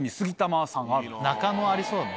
中野ありそうだね。